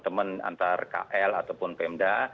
dan teman teman antar kl ataupun pemda